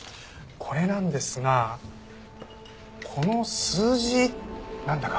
これなんですがこの数字なんだかわかりますか？